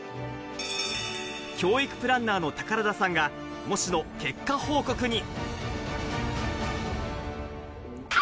教育プランナーの宝田さんが、模試の結果報告に。